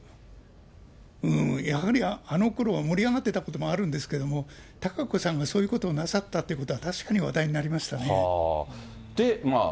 うーん、やはりあのころは盛り上がってたこともあるんですけども、貴子さんがそういうことをなさったということは、確かに話題になりましたね。